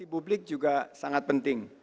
publik juga sangat penting